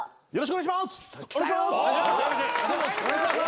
お願いします。